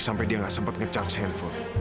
sampai dia nggak sempat nge charge handphone